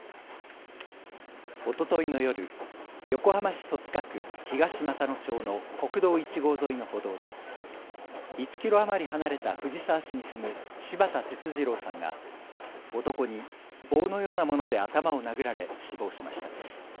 おとといの夜、横浜市戸塚区東俣野町の国道１号沿いの歩道で１キロ余り離れた藤沢市に住む柴田哲二郎さんが男に棒のようなもので頭を殴られ死亡しました。